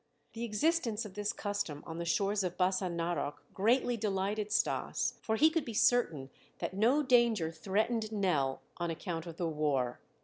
The existence of this custom on the shores of Bassa Narok greatly delighted Stas, for he could be certain that no danger threatened Nell on account of the war.